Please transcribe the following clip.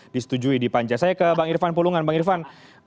disetujui di panjang saya ke bang irfan pulungan